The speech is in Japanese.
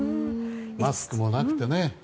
マスクもなくてね。